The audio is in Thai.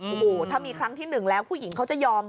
โอ้โหถ้ามีครั้งที่หนึ่งแล้วผู้หญิงเขาจะยอม